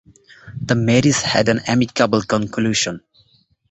The marriage had an amicable conclusion.